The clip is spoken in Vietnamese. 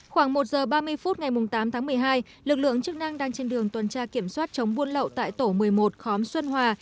khoảng một giờ ba mươi phút ngày tám tháng một mươi hai lực lượng chức năng đang trên đường tuần tra kiểm soát chống buôn lậu tại tổ một mươi một khóm xuân hòa